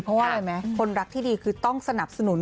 เพราะว่าอะไรไหมคนรักที่ดีคือต้องสนับสนุน